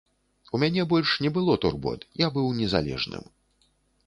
У мяне больш не было турбот, я быў незалежным.